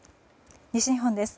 西日本です。